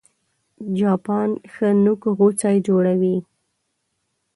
چاپان ښه نوک غوڅي جوړوي